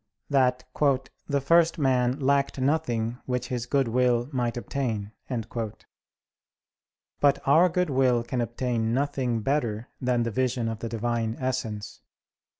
that "the first man lacked nothing which his good will might obtain." But our good will can obtain nothing better than the vision of the Divine Essence.